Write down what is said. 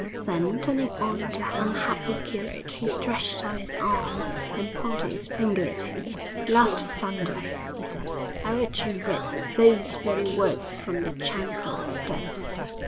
"' Then, turning on the unhappy curate, he stretched out his arm and pointed his finger at him. 'Last Sunday,' he said, 'I 'eard you read those very words from the chancel steps.